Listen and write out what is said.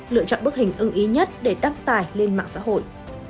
lựa chọn bức hình ưng ý nhất để đăng tải lên mạng xã hội